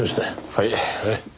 はい。